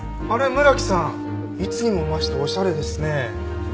村木さんいつにも増しておしゃれですねえ。